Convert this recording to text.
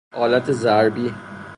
آلت ضربی